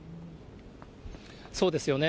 そうですよね。